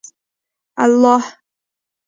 الله